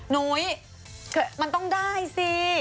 นุ้ยมันต้องได้สิ